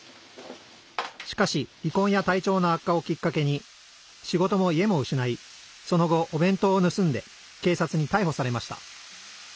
しかしりこんや体調の悪化をきっかけに仕事も家も失いその後お弁当を盗んでけいさつにたいほされました。